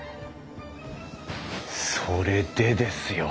それでですよ。